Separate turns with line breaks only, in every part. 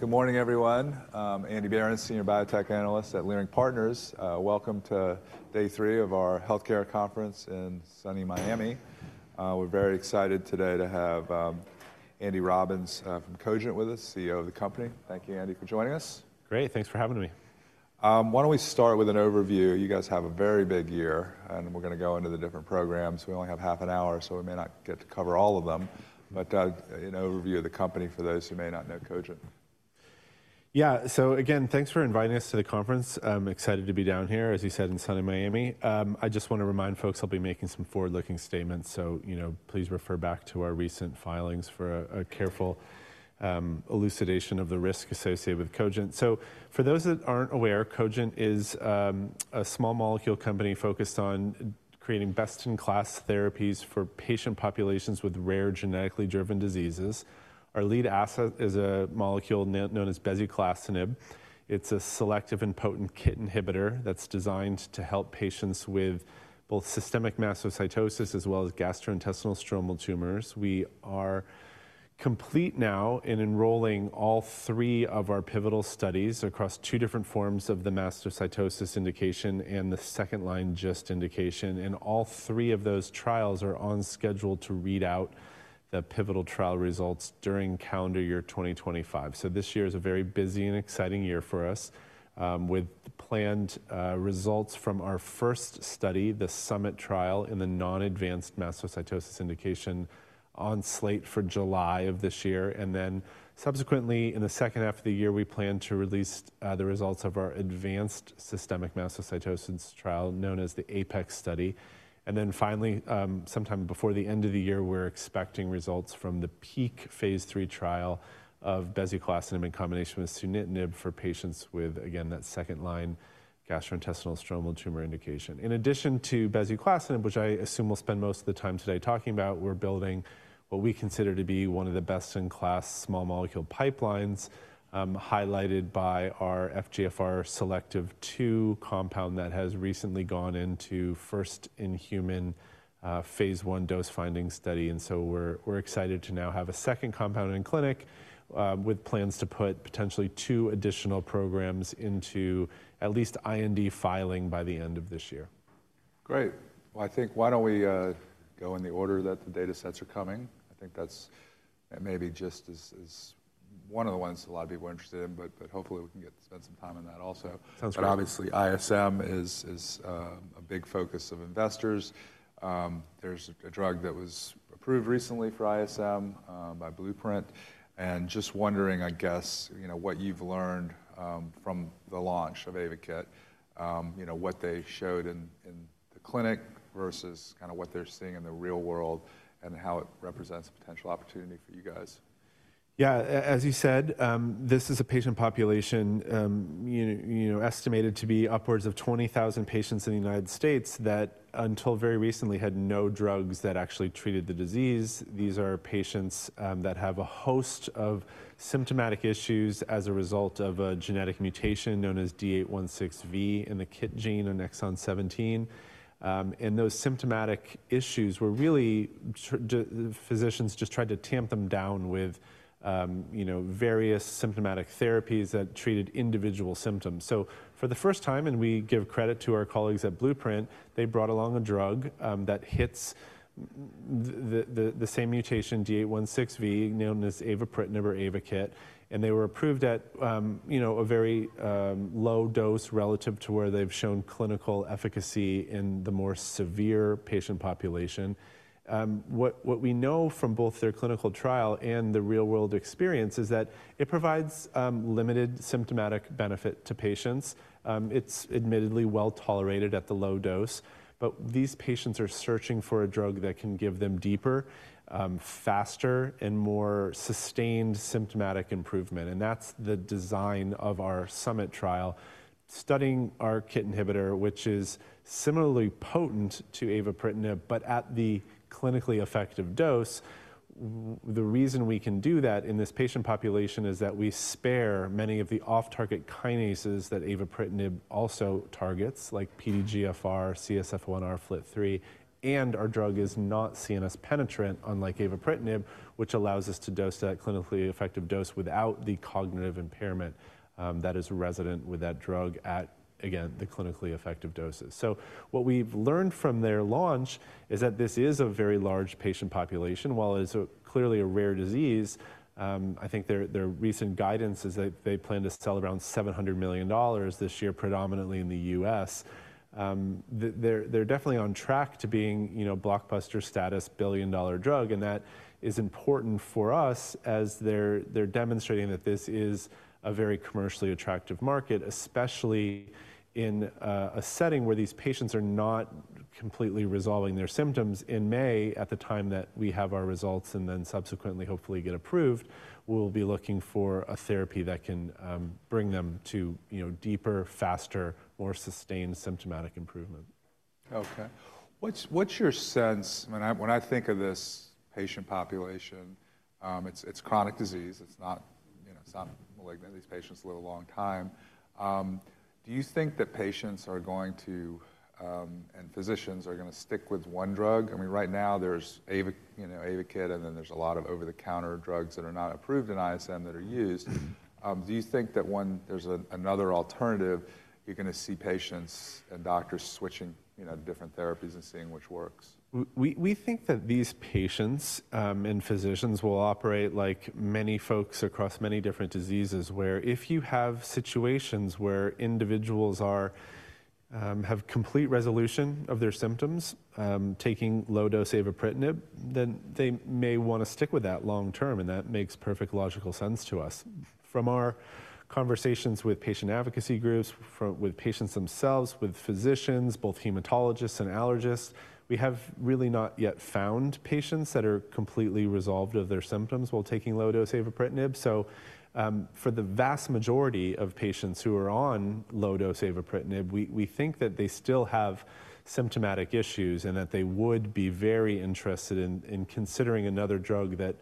Good morning, everyone. I'm Andy Berens, Senior Biotech Analyst at Leerink Partners. Welcome to day three of our healthcare conference in sunny Miami. We're very excited today to have Andy Robbins from Cogent with us, CEO of the company. Thank you, Andy, for joining us.
Great. Thanks for having me.
Why don't we start with an overview? You guys have a very big year, and we're going to go into the different programs. We only have half an hour, so we may not get to cover all of them. An overview of the company for those who may not know Cogent.
Yeah. Again, thanks for inviting us to the conference. I'm excited to be down here, as you said, in sunny Miami. I just want to remind folks I'll be making some forward-looking statements. Please refer back to our recent filings for a careful elucidation of the risk associated with Cogent. For those that aren't aware, Cogent is a small molecule company focused on creating best-in-class therapies for patient populations with rare genetically driven diseases. Our lead asset is a molecule known as bezuclastinib. It's a selective and potent KIT inhibitor that's designed to help patients with both systemic mastocytosis as well as gastrointestinal stromal tumors. We are complete now in enrolling all three of our pivotal studies across two different forms of the mastocytosis indication and the second-line GIST indication. All three of those trials are on schedule to read out the pivotal trial results during calendar year 2025. This year is a very busy and exciting year for us, with planned results from our first study, the SUMMIT trial in the non-advanced mastocytosis indication, on slate for July of this year. Subsequently, in the second half of the year, we plan to release the results of our advanced systemic mastocytosis trial known as the APEX study. Finally, sometime before the end of the year, we're expecting results from the PEAK phase III trial of bezuclastinib in combination with sunitinib for patients with, again, that second-line gastrointestinal stromal tumor indication. In addition to bezuclastinib, which I assume we'll spend most of the time today talking about, we're building what we consider to be one of the best-in-class small molecule pipelines, highlighted by our FGFR2-selective compound that has recently gone into first in human phase I dose finding study. We are excited to now have a second compound in clinic, with plans to put potentially two additional programs into at least IND filing by the end of this year.
Great. I think why don't we go in the order that the data sets are coming? I think that may be just as one of the ones a lot of people are interested in, but hopefully we can spend some time on that also.
Sounds good.
Obviously, ISM is a big focus of investors. There's a drug that was approved recently for ISM by Blueprint. I am just wondering, I guess, what you've learned from the launch of AYVAKIT, what they showed in the clinic versus kind of what they're seeing in the real world and how it represents a potential opportunity for you guys.
Yeah. As you said, this is a patient population estimated to be upwards of 20,000 patients in the United States that until very recently had no drugs that actually treated the disease. These are patients that have a host of symptomatic issues as a result of a genetic mutation known as D816V in the KIT gene on exon 17. Those symptomatic issues were really physicians just tried to tamp them down with various symptomatic therapies that treated individual symptoms. For the first time, and we give credit to our colleagues at Blueprint, they brought along a drug that hits the same mutation, D816V, known as avapritinib, or AYVAKIT. They were approved at a very low dose relative to where they've shown clinical efficacy in the more severe patient population. What we know from both their clinical trial and the real-world experience is that it provides limited symptomatic benefit to patients. It's admittedly well tolerated at the low dose, but these patients are searching for a drug that can give them deeper, faster, and more sustained symptomatic improvement. That is the design of our SUMMIT trial, studying our KIT inhibitor, which is similarly potent to avapritinib, but at the clinically effective dose. The reason we can do that in this patient population is that we spare many of the off-target kinases that avapritinib also targets, like PDGFR, CSF1R, FLT3, and our drug is not CNS-penetrant, unlike avapritinib, which allows us to dose that clinically effective dose without the cognitive impairment that is resident with that drug at, again, the clinically effective doses. What we've learned from their launch is that this is a very large patient population. While it's clearly a rare disease, I think their recent guidance is that they plan to sell around $700 million this year, predominantly in the U.S. They're definitely on track to being blockbuster status billion-dollar drug. That is important for us as they're demonstrating that this is a very commercially attractive market, especially in a setting where these patients are not completely resolving their symptoms. In May, at the time that we have our results and then subsequently hopefully get approved, we'll be looking for a therapy that can bring them to deeper, faster, more sustained symptomatic improvement.
Okay. What's your sense when I think of this patient population? It's chronic disease. It's not malignant. These patients live a long time. Do you think that patients are going to and physicians are going to stick with one drug? I mean, right now there's AYVAKIT and then there's a lot of over-the-counter drugs that are not approved in ISM that are used. Do you think that there's another alternative? You're going to see patients and doctors switching different therapies and seeing which works?
We think that these patients and physicians will operate like many folks across many different diseases, where if you have situations where individuals have complete resolution of their symptoms taking low-dose avapritinib, then they may want to stick with that long term. That makes perfect logical sense to us. From our conversations with Patient Advocacy Groups, with patients themselves, with physicians, both hematologists and allergists, we have really not yet found patients that are completely resolved of their symptoms while taking low-dose avapritinib. For the vast majority of patients who are on low-dose avapritinib, we think that they still have symptomatic issues and that they would be very interested in considering another drug that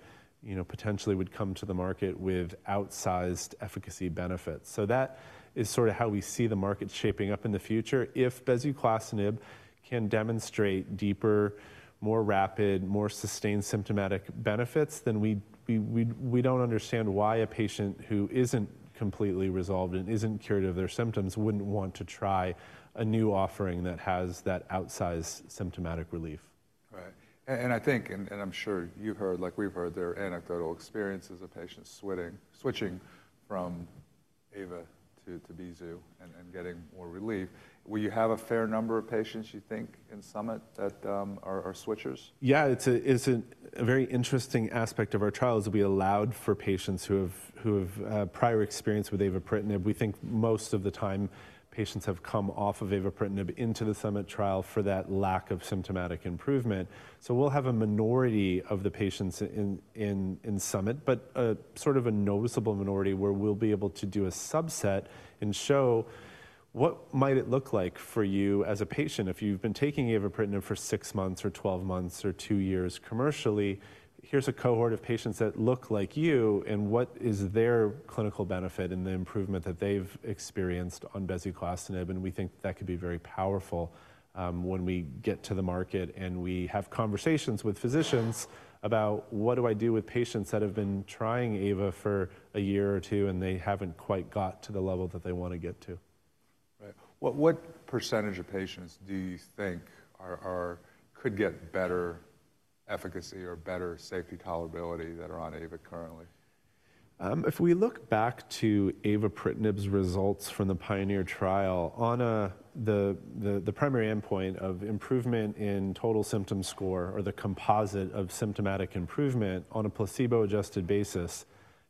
potentially would come to the market with outsized efficacy benefits. That is sort of how we see the market shaping up in the future. If bezuclastinib can demonstrate deeper, more rapid, more sustained symptomatic benefits, then we don't understand why a patient who isn't completely resolved and isn't cured of their symptoms wouldn't want to try a new offering that has that outsized symptomatic relief.
Right. I think, and I'm sure you've heard, like we've heard, there are anecdotal experiences of patients switching from ava to bezu and getting more relief. Will you have a fair number of patients, you think, in SUMMIT that are switchers?
Yeah. It's a very interesting aspect of our trial is we allowed for patients who have prior experience with avapritinib. We think most of the time patients have come off of avapritinib into the SUMMIT trial for that lack of symptomatic improvement. We'll have a minority of the patients in SUMMIT, but sort of a noticeable minority where we'll be able to do a subset and show what might it look like for you as a patient if you've been taking avapritinib for six months or 12 months or two years commercially. Here's a cohort of patients that look like you and what is their clinical benefit and the improvement that they've experienced on bezuclastinib. We think that could be very powerful when we get to the market and we have conversations with physicians about what do I do with patients that have been trying ava for a year or two and they have not quite got to the level that they want to get to.
Right. What percentage of patients do you think could get better efficacy or better safety tolerability that are on ava currently?
If we look back to avapritinib results from the PIONEER trial on the primary endpoint of improvement in total symptom score or the composite of symptomatic improvement on a placebo-adjusted basis,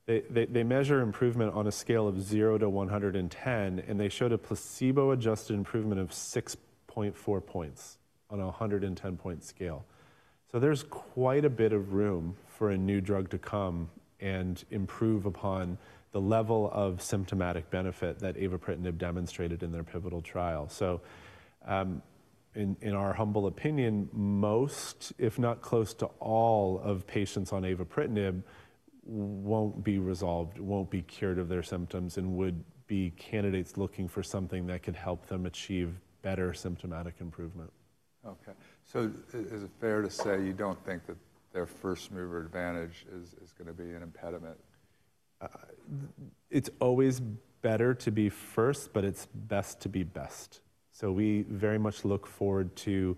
they measure improvement on a scale of 0-110, and they showed a placebo-adjusted improvement of 6.4 points on a 110-point scale. There is quite a bit of room for a new drug to come and improve upon the level of symptomatic benefit that avapritinib demonstrated in their pivotal trial. In our humble opinion, most, if not close to all, of patients on avapritinib will not be resolved, will not be cured of their symptoms, and would be candidates looking for something that could help them achieve better symptomatic improvement.
Okay. Is it fair to say you don't think that their first mover advantage is going to be an impediment?
It's always better to be first, but it's best to be best. We very much look forward to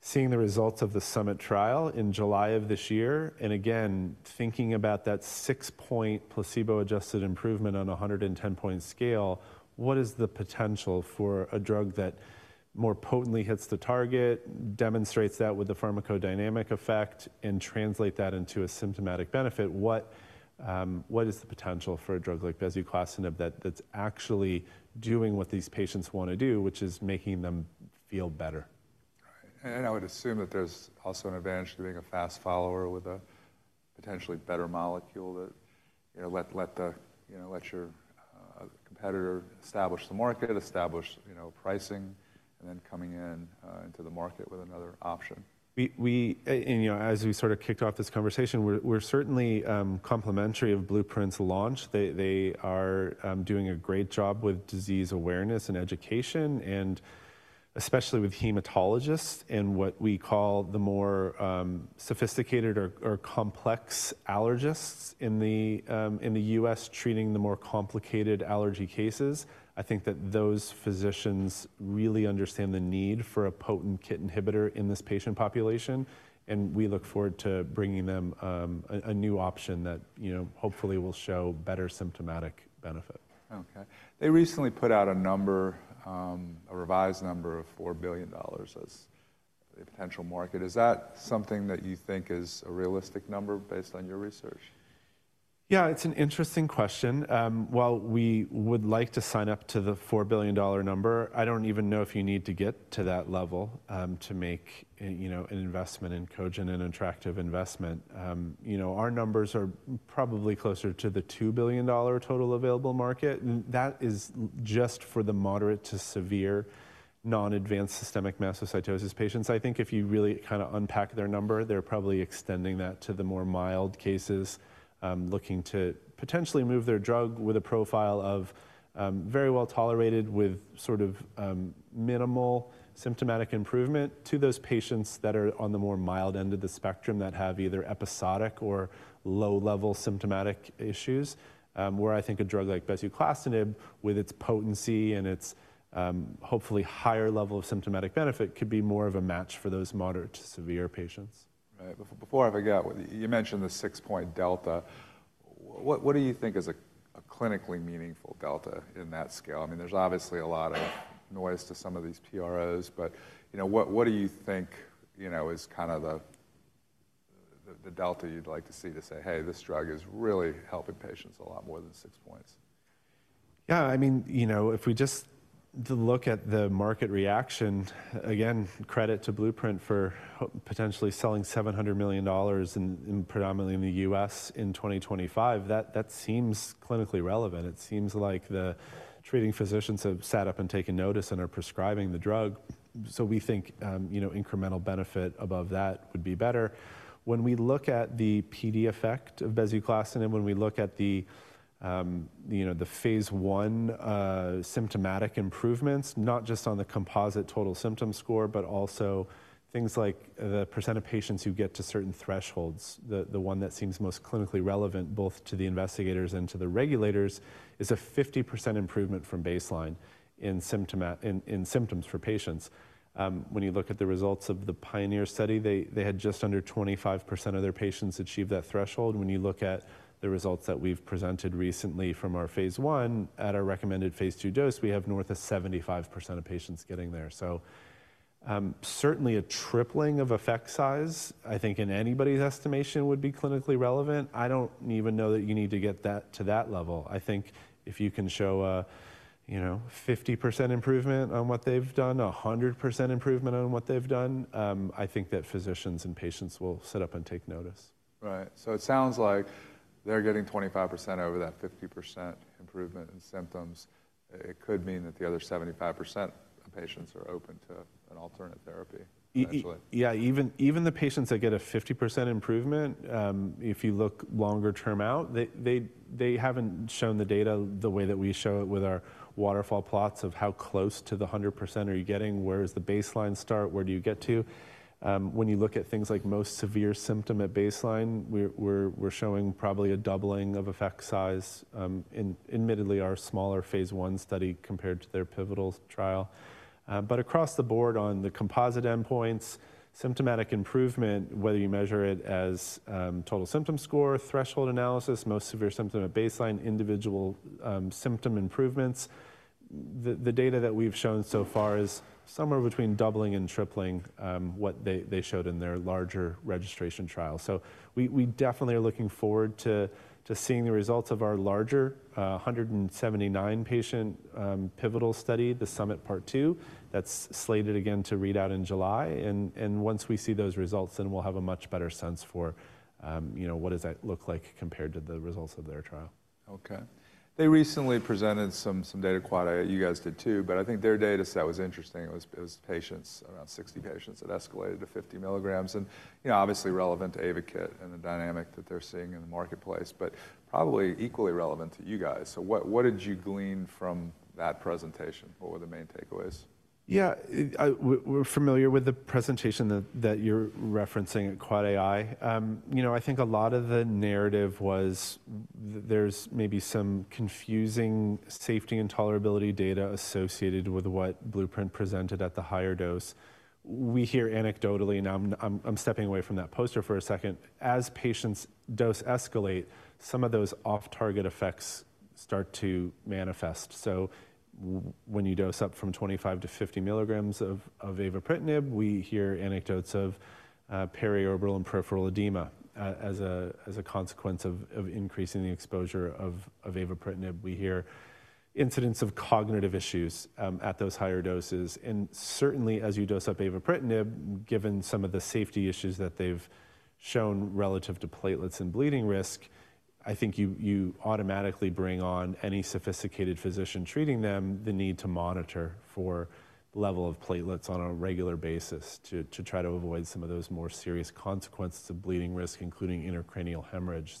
seeing the results of the SUMMIT trial in July of this year. Again, thinking about that six-point placebo-adjusted improvement on a 110-point scale, what is the potential for a drug that more potently hits the target, demonstrates that with the pharmacodynamic effect, and translates that into a symptomatic benefit? What is the potential for a drug like bezuclastinib that's actually doing what these patients want to do, which is making them feel better?
Right. I would assume that there's also an advantage to being a fast follower with a potentially better molecule that let your competitor establish the market, establish pricing, and then coming into the market with another option.
As we sort of kicked off this conversation, we're certainly complimentary of Blueprint's launch. They are doing a great job with disease awareness and education, and especially with hematologists and what we call the more sophisticated or complex allergists in the U.S. treating the more complicated allergy cases. I think that those physicians really understand the need for a potent KIT inhibitor in this patient population. We look forward to bringing them a new option that hopefully will show better symptomatic benefit.
Okay. They recently put out a revised number of $4 billion as the potential market. Is that something that you think is a realistic number based on your research?
Yeah, it's an interesting question. While we would like to sign up to the $4 billion number, I don't even know if you need to get to that level to make an investment in Cogent, an attractive investment. Our numbers are probably closer to the $2 billion total available market. That is just for the moderate to severe non-advanced systemic mastocytosis patients. I think if you really kind of unpack their number, they're probably extending that to the more mild cases, looking to potentially move their drug with a profile of very well tolerated with sort of minimal symptomatic improvement to those patients that are on the more mild end of the spectrum that have either episodic or low-level symptomatic issues, where I think a drug like bezuclastinib, with its potency and its hopefully higher level of symptomatic benefit, could be more of a match for those moderate to severe patients.
Right. Before I forget, you mentioned the six-point delta. What do you think is a clinically meaningful delta in that scale? I mean, there's obviously a lot of noise to some of these PROs, but what do you think is kind of the delta you'd like to see to say, hey, this drug is really helping patients a lot more than six points?
Yeah. I mean, if we just look at the market reaction, again, credit to Blueprint for potentially selling $700 million predominantly in the U.S. in 2025, that seems clinically relevant. It seems like the treating physicians have sat up and taken notice and are prescribing the drug. We think incremental benefit above that would be better. When we look at the PD effect of bezuclastinib, when we look at the phase I symptomatic improvements, not just on the composite total symptom score, but also things like the percent of patients who get to certain thresholds, the one that seems most clinically relevant both to the investigators and to the regulators is a 50% improvement from baseline in symptoms for patients. When you look at the results of the PIONEER study, they had just under 25% of their patients achieve that threshold. When you look at the results that we've presented recently from our phase I at our recommended phase II dose, we have north of 75% of patients getting there. Certainly a tripling of effect size, I think in anybody's estimation would be clinically relevant. I don't even know that you need to get to that level. I think if you can show a 50% improvement on what they've done, 100% improvement on what they've done, I think that physicians and patients will set up and take notice.
Right. It sounds like they're getting 25% over that 50% improvement in symptoms. It could mean that the other 75% of patients are open to an alternate therapy.
Yeah. Even the patients that get a 50% improvement, if you look longer term out, they haven't shown the data the way that we show it with our waterfall plots of how close to the 100% are you getting, where does the baseline start, where do you get to? When you look at things like most severe symptom at baseline, we're showing probably a doubling of effect size, admittedly our smaller phase I study compared to their pivotal trial. Across the board on the composite endpoints, symptomatic improvement, whether you measure it as total symptom score, threshold analysis, most severe symptom at baseline, individual symptom improvements, the data that we've shown so far is somewhere between doubling and tripling what they showed in their larger registration trial. We definitely are looking forward to seeing the results of our larger 179-patient pivotal study, the SUMMIT Part 2, that's slated again to read out in July. Once we see those results, then we'll have a much better sense for what does that look like compared to the results of their trial.
Okay. They recently presented some data, quote, you guys did too, but I think their data set was interesting. It was patients, around 60 patients that escalated to 50 mg and obviously relevant to AYVAKIT and the dynamic that they're seeing in the marketplace, but probably equally relevant to you guys. What did you glean from that presentation? What were the main takeaways?
Yeah. We're familiar with the presentation that you're referencing at AAAAI. I think a lot of the narrative was there's maybe some confusing safety and tolerability data associated with what Blueprint presented at the higher dose. We hear anecdotally, and I'm stepping away from that poster for a second, as patients' dose escalates, some of those off-target effects start to manifest. When you dose up from 25 mg to 50 mg of avapritinib, we hear anecdotes of periorbital and peripheral edema as a consequence of increasing the exposure of avapritinib. We hear incidents of cognitive issues at those higher doses. Certainly, as you dose up avapritinib, given some of the safety issues that they've shown relative to platelets and bleeding risk, I think you automatically bring on any sophisticated physician treating them the need to monitor for level of platelets on a regular basis to try to avoid some of those more serious consequences of bleeding risk, including intracranial hemorrhage.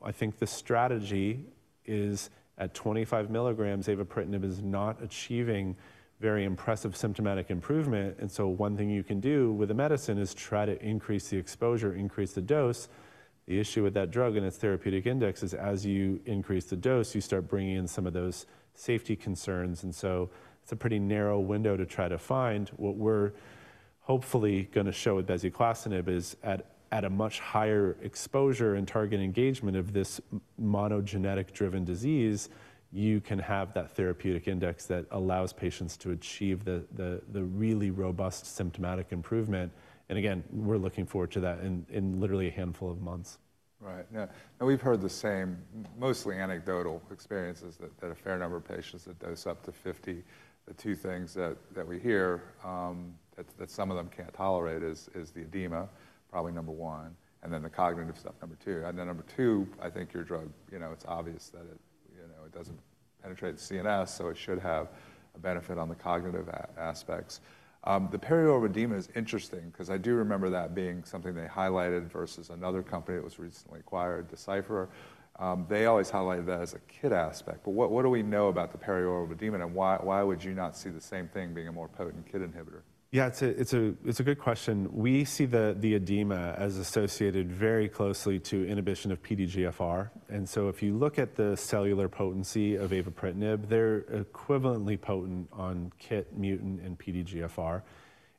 I think the strategy is at 25 mg, avapritinib is not achieving very impressive symptomatic improvement. One thing you can do with a medicine is try to increase the exposure, increase the dose. The issue with that drug and its therapeutic index is as you increase the dose, you start bringing in some of those safety concerns. It's a pretty narrow window to try to find what we're hopefully going to show with bezuclastinib is at a much higher exposure and target engagement of this monogenetic-driven disease, you can have that therapeutic index that allows patients to achieve the really robust symptomatic improvement. Again, we're looking forward to that in literally a handful of months.
Right. Now we've heard the same mostly anecdotal experiences that a fair number of patients that dose up to 50 mg, the two things that we hear that some of them can't tolerate is the edema, probably number one, and then the cognitive stuff, number two. Number two, I think your drug, it's obvious that it doesn't penetrate the CNS, so it should have a benefit on the cognitive aspects. The periorbital edema is interesting because I do remember that being something they highlighted versus another company that was recently acquired, Deciphera. They always highlighted that as a KIT aspect. What do we know about the periorbital edema and why would you not see the same thing being a more potent KIT inhibitor?
Yeah, it's a good question. We see the edema as associated very closely to inhibition of PDGFR. If you look at the cellular potency of avapritinib, they're equivalently potent on KIT, mutant, and PDGFR.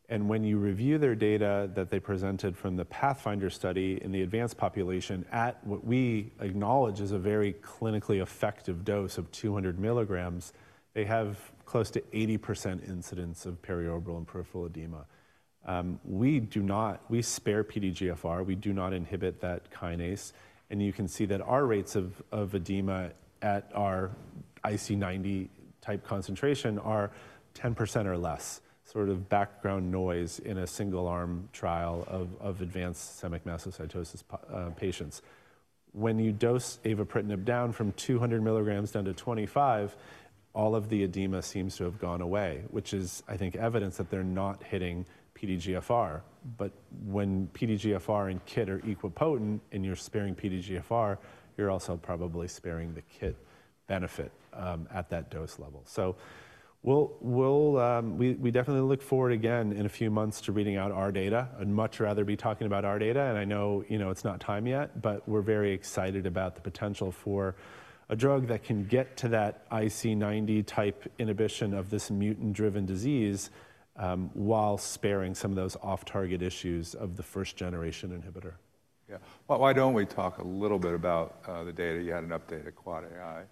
When you review their data that they presented from the PATHFINDER study in the advanced population at what we acknowledge is a very clinically effective dose of 200 mg, they have close to 80% incidence of periorbital and peripheral edema. We spare PDGFR. We do not inhibit that kinase. You can see that our rates of edema at our IC90 type concentration are 10% or less, sort of background noise in a single-arm trial of advanced systemic mastocytosis patients. When you dose avapritinib down from 200 mg down to 25 mg, all of the edema seems to have gone away, which is, I think, evidence that they're not hitting PDGFR. When PDGFR and KIT are equal potent and you're sparing PDGFR, you're also probably sparing the KIT benefit at that dose level. We definitely look forward again in a few months to reading out our data and much rather be talking about our data. I know it's not time yet, but we're very excited about the potential for a drug that can get to that IC90 type inhibition of this mutant-driven disease while sparing some of those off-target issues of the first-generation inhibitor.
Yeah. Why don't we talk a little bit about the data? You had an update at AAAAI.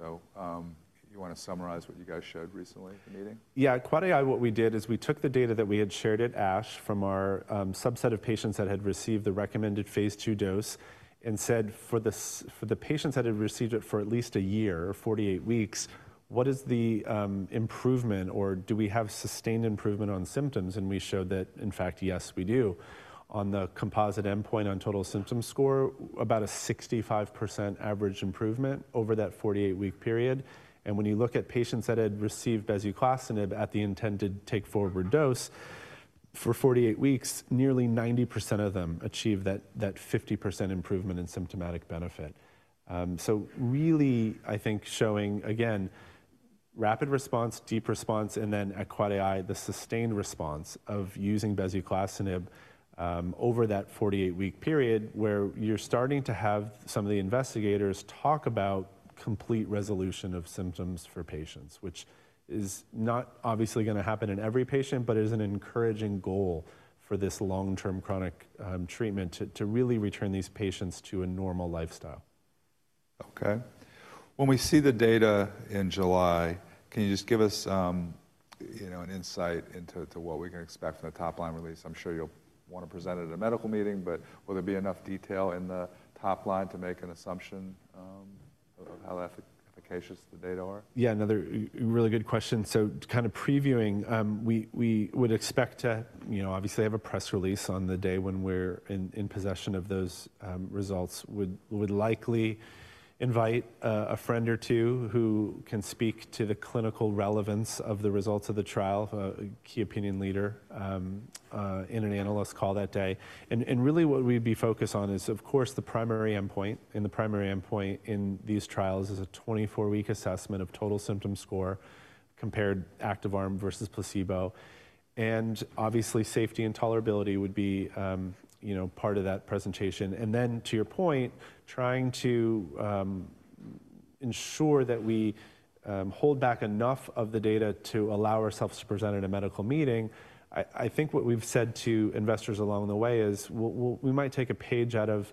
You want to summarize what you guys showed recently at the meeting?
Yeah. At AAAAI, what we did is we took the data that we had shared at ASH from our subset of patients that had received the recommended phase II dose and said for the patients that had received it for at least a year, 48 weeks, what is the improvement or do we have sustained improvement on symptoms? We showed that, in fact, yes, we do. On the composite endpoint on total symptom score, about a 65% average improvement over that 48-week period. When you look at patients that had received bezuclastinib at the intended take-forward dose for 48 weeks, nearly 90% of them achieved that 50% improvement in symptomatic benefit. I think showing again, rapid response, deep response, and then at AAAAI, the sustained response of using bezuclastinib over that 48-week period where you're starting to have some of the investigators talk about complete resolution of symptoms for patients, which is not obviously going to happen in every patient, but it is an encouraging goal for this long-term chronic treatment to really return these patients to a normal lifestyle.
Okay. When we see the data in July, can you just give us an insight into what we can expect from the top-line release? I'm sure you'll want to present it at a medical meeting, but will there be enough detail in the top line to make an assumption of how efficacious the data are?
Yeah, another really good question. Kind of previewing, we would expect to obviously have a press release on the day when we're in possession of those results. We would likely invite a friend or two who can speak to the clinical relevance of the results of the trial, a key opinion leader in an analyst call that day. Really what we'd be focused on is, of course, the primary endpoint. The primary endpoint in these trials is a 24-week assessment of total symptom score compared to active arm versus placebo. Obviously, safety and tolerability would be part of that presentation. Then to your point, trying to ensure that we hold back enough of the data to allow ourselves to present at a medical meeting. I think what we've said to investors along the way is we might take a page out of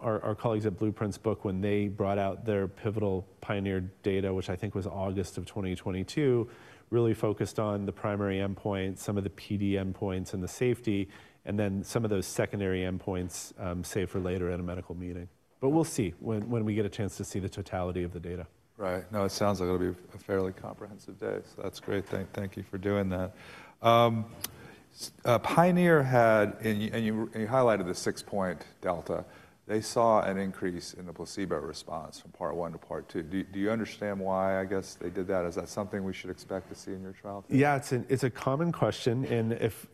our colleagues at Blueprint's book when they brought out their pivotal PIONEER data, which I think was August of 2022, really focused on the primary endpoint, some of the PD endpoints and the safety, and then some of those secondary endpoints saved for later at a medical meeting. We'll see when we get a chance to see the totality of the data.
Right. No, it sounds like it'll be a fairly comprehensive day. That is great. Thank you for doing that. PIONEER had, and you highlighted the six-point delta, they saw an increase in the placebo response from Part 1 to Part 2. Do you understand why they did that? Is that something we should expect to see in your trial?
Yeah, it's a common question.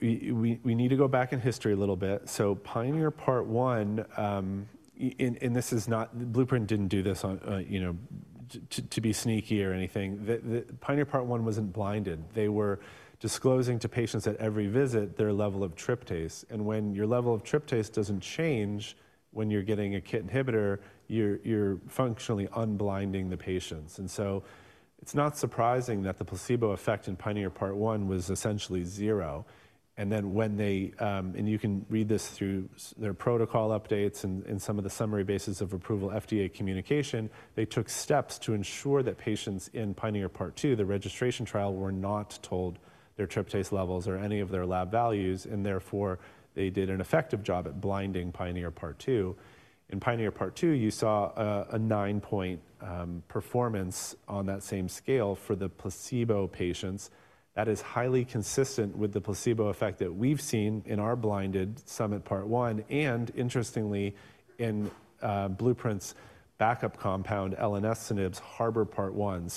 We need to go back in history a little bit. PIONEER Part 1, and this is not, Blueprint didn't do this to be sneaky or anything. PIONEER Part 1 wasn't blinded. They were disclosing to patients at every visit their level of tryptase. When your level of tryptase doesn't change when you're getting a KIT inhibitor, you're functionally unblinding the patients. It's not surprising that the placebo effect in PIONEER Part 1 was essentially zero. You can read this through their protocol updates and some of the summary basis of approval FDA communication. They took steps to ensure that patients in PIONEER Part 2, the registration trial, were not told their tryptase levels or any of their lab values. Therefore, they did an effective job at blinding PIONEER Part 2. In PIONEER Part 2, you saw a nine-point performance on that same scale for the placebo patients. That is highly consistent with the placebo effect that we've seen in our blinded SUMMIT Part 1. Interestingly, in Blueprint's backup compound, elenestinib, HARBOR Part 1.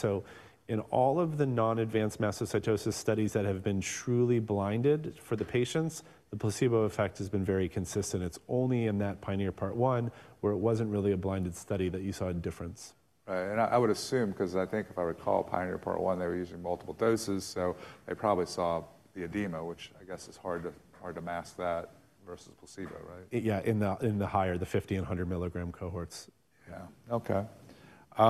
In all of the non-advanced mastocytosis studies that have been truly blinded for the patients, the placebo effect has been very consistent. It is only in that PIONEER Part 1 where it was not really a blinded study that you saw a difference.
Right. I would assume, because I think if I recall, PIONEER Part 1, they were using multiple doses. They probably saw the edema, which I guess is hard to mask that versus placebo, right?
Yeah, in the higher, the 50 mg and 100 mg cohorts.
Yeah. Okay. We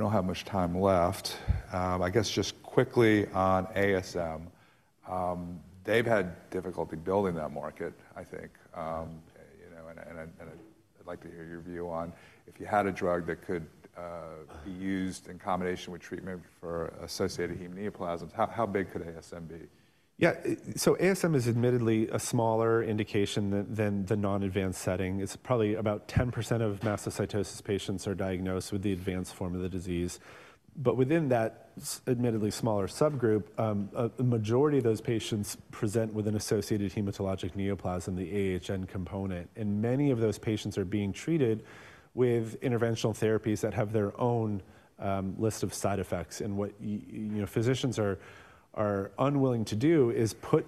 do not have much time left. I guess just quickly on ASM, they have had difficulty building that market, I think. I would like to hear your view on if you had a drug that could be used in combination with treatment for associated hematologic neoplasms, how big could ASM be?
Yeah. ASM is admittedly a smaller indication than the non-advanced setting. It's probably about 10% of mastocytosis patients are diagnosed with the advanced form of the disease. Within that admittedly smaller subgroup, a majority of those patients present with an associated hematologic neoplasm, the AHN component. Many of those patients are being treated with interventional therapies that have their own list of side effects. What physicians are unwilling to do is put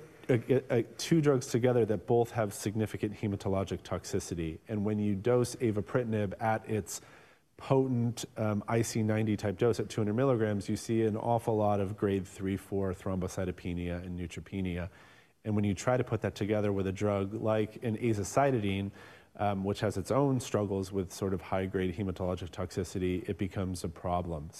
two drugs together that both have significant hematologic toxicity. When you dose avapritinib at its potent IC90 type dose at 200 mg, you see an awful lot of grade three, four thrombocytopenia and neutropenia. When you try to put that together with a drug like azacitidine, which has its own struggles with sort of high-grade hematologic toxicity, it becomes a problem.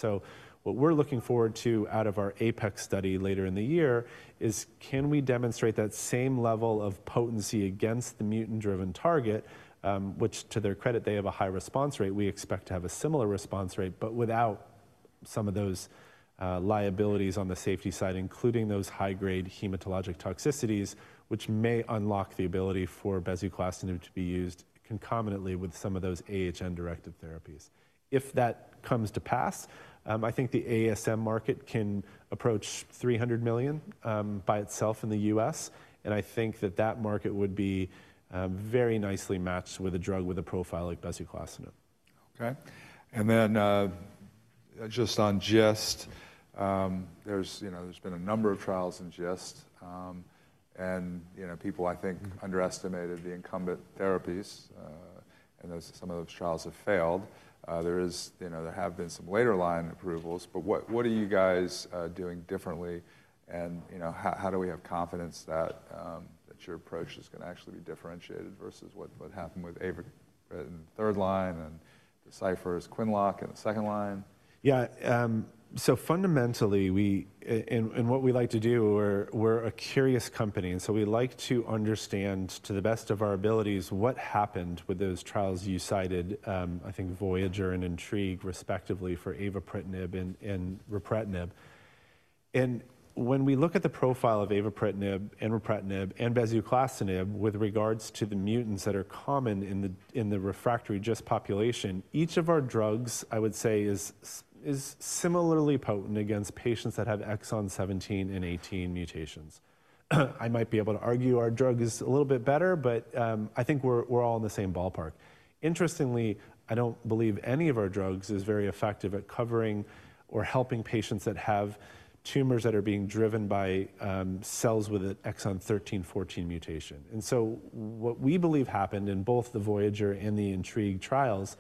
What we're looking forward to out of our APEX study later in the year is can we demonstrate that same level of potency against the mutant-driven target, which to their credit, they have a high response rate. We expect to have a similar response rate, but without some of those liabilities on the safety side, including those high-grade hematologic toxicities, which may unlock the ability for bezuclastinib to be used concomitantly with some of those AHN directive therapies. If that comes to pass, I think the ASM market can approach $300 million by itself in the U.S. I think that that market would be very nicely matched with a drug with a profile like bezuclastinib.
Okay. Just on GIST, there's been a number of trials in GIST. People, I think, underestimated the incumbent therapies. Some of those trials have failed. There have been some later line approvals. What are you guys doing differently? How do we have confidence that your approach is going to actually be differentiated versus what happened with avapritinib in the third line and Deciphera's QINLOCK in the second line?
Yeah. Fundamentally, what we like to do, we're a curious company. We like to understand to the best of our abilities what happened with those trials you cited, I think, VOYAGER and INTRIGUE respectively for avapritinib and ripretinib. When we look at the profile of avapritinib and ripretinib and bezuclastinib with regards to the mutants that are common in the refractory GIST population, each of our drugs, I would say, is similarly potent against patients that have exon 17 and 18 mutations. I might be able to argue our drug is a little bit better, but I think we're all in the same ballpark. Interestingly, I do not believe any of our drugs is very effective at covering or helping patients that have tumors that are being driven by cells with an exon 13, 14 mutation. What we believe happened in both the VOYAGER and the INTRIGUE trials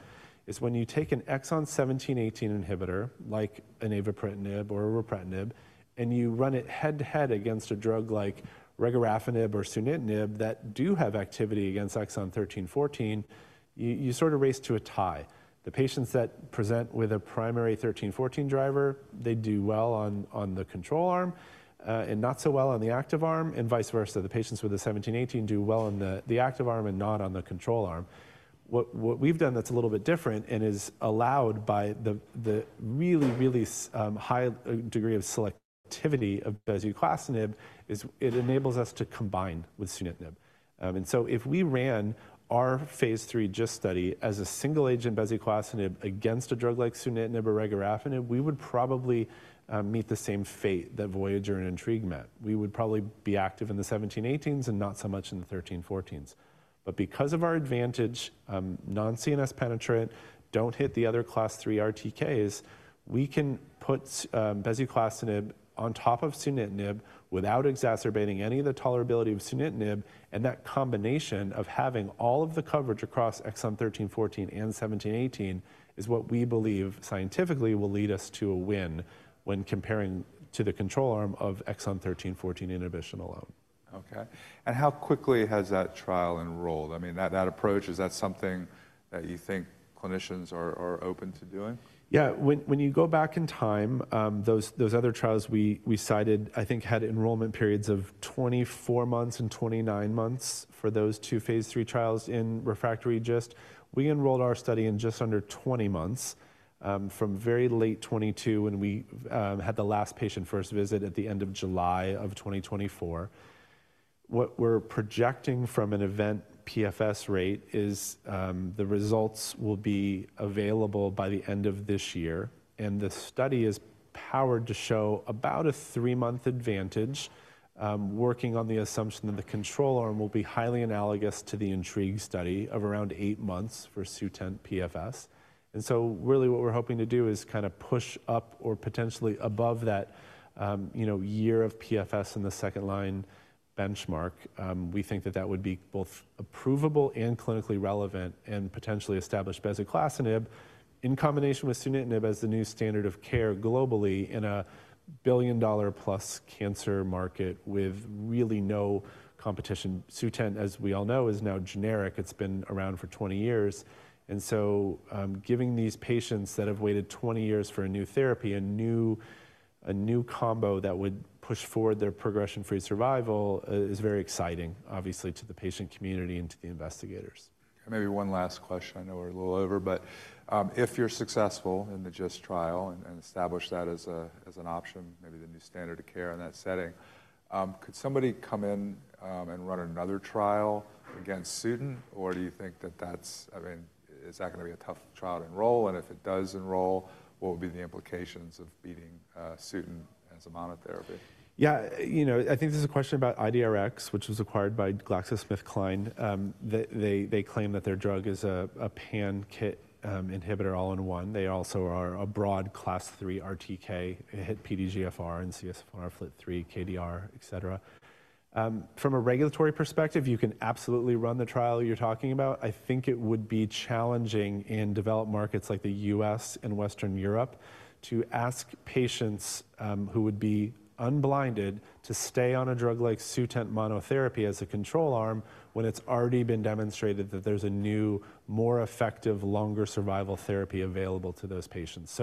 is when you take an exon 17, 18 inhibitor like an avapritinib or a ripretinib, and you run it head-to-head against a drug like regorafenib or sunitinib that do have activity against exon 13, 14, you sort of race to a tie. The patients that present with a primary 13/14 driver, they do well on the control arm and not so well on the active arm, and vice versa. The patients with the 17, 18 do well on the active arm and not on the control arm. What we've done that's a little bit different and is allowed by the really, really high degree of selectivity of bezuclastinib is it enables us to combine with sunitinib. If we ran our phase III GIST study as a single agent bezuclastinib against a drug like sunitinib or regorafenib, we would probably meet the same fate that VOYAGER and INTRIGUE met. We would probably be active in the 17, 18s and not so much in the 13, 14s. Because of our advantage, non-CNS penetrant, do not hit the other class three RTKs, we can put bezuclastinib on top of sunitinib without exacerbating any of the tolerability of sunitinib. That combination of having all of the coverage across exon 13, 14 and 17, 18 is what we believe scientifically will lead us to a win when comparing to the control arm of exon 13, 14 inhibition alone.
Okay. How quickly has that trial enrolled? I mean, that approach, is that something that you think clinicians are open to doing?
Yeah. When you go back in time, those other trials we cited, I think, had enrollment periods of 24 months and 29 months for those two phase III trials in refractory GIST. We enrolled our study in just under 20 months from very late 2022 when we had the last patient first visit at the end of July of 2024. What we're projecting from an event PFS rate is the results will be available by the end of this year. The study is powered to show about a three-month advantage working on the assumption that the control arm will be highly analogous to the INTRIGUE study of around eight months for SUTENT PFS. What we're hoping to do is kind of push up or potentially above that year of PFS in the second line benchmark. We think that that would be both approvable and clinically relevant and potentially establish bezuclastinib in combination with sunitinib as the new standard of care globally in a billion-dollar-plus cancer market with really no competition. SUTENT, as we all know, is now generic. It's been around for 20 years. Giving these patients that have waited 20 years for a new therapy, a new combo that would push forward their progression-free survival is very exciting, obviously, to the patient community and to the investigators.
Maybe one last question. I know we're a little over, but if you're successful in the GIST trial and establish that as an option, maybe the new standard of care in that setting, could somebody come in and run another trial against SUTENT, or do you think that that's, I mean, is that going to be a tough trial to enroll? If it does enroll, what would be the implications of beating SUTENT as a monotherapy?
Yeah. I think there's a question about IDRx, which was acquired by GlaxoSmithKline. They claim that their drug is a pan-KIT inhibitor all in one. They also are a broad class three RTK, hit PDGFR and CSF1R, FLT3, KDR, etc. From a regulatory perspective, you can absolutely run the trial you're talking about. I think it would be challenging in developed markets like the U.S. and Western Europe to ask patients who would be unblinded to stay on a drug like SUTENT monotherapy as a control arm when it's already been demonstrated that there's a new, more effective, longer survival therapy available to those patients.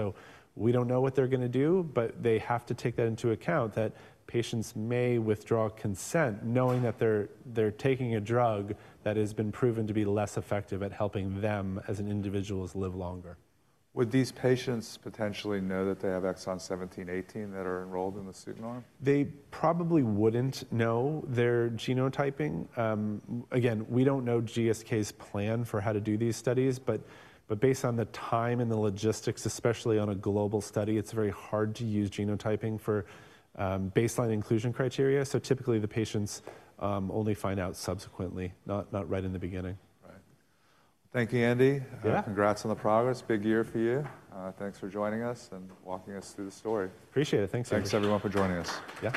We don't know what they're going to do, but they have to take that into account that patients may withdraw consent knowing that they're taking a drug that has been proven to be less effective at helping them as an individual live longer.
Would these patients potentially know that they have exon 17, 18 that are enrolled in the SUTENT arm?
They probably wouldn't know their genotyping. Again, we don't know GSK's plan for how to do these studies. Based on the time and the logistics, especially on a global study, it's very hard to use genotyping for baseline inclusion criteria. Typically, the patients only find out subsequently, not right in the beginning.
Right. Thank you, Andy. Congrats on the progress. Big year for you. Thanks for joining us and walking us through the story.
Appreciate it. Thanks, Andy.
Thanks everyone for joining us.
Yeah.